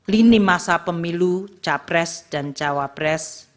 lini masa pemilu capres dan cawapres